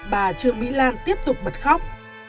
bà trương mỹ lan tiếp tục bật khóc